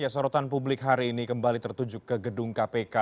sorotan publik hari ini kembali tertujuk ke gedung kpk